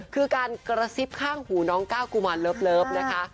คือการกระซิบข้างหูน้องก้าวกุมารเลิฟนะคะ